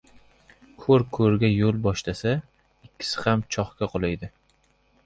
• Ko‘r ko‘rga yo‘l boshlasa ikkisi ham chohga qulaydi.